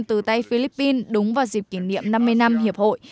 từ tây philippines đúng vào dịp kỷ niệm năm mươi năm hiệp hội